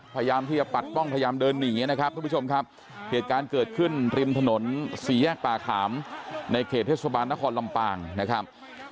พยายามที่จะปัดป้องพยายามเดินนีนะครับคุณผู้ชมครับ